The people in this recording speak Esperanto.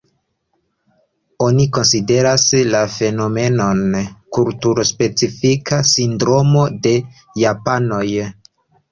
Oni konsideras la fenomenon, kulturo-specifa sindromo de Japanoj.